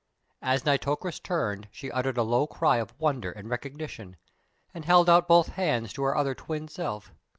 As Nitocris turned she uttered a low cry of wonder and recognition, and held out both hands to her other twin self.